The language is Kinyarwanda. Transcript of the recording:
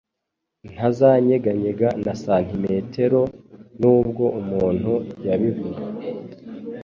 Ntazanyeganyega na santimetero nubwo umuntu yabivuga